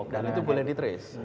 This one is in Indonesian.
dan itu boleh di trace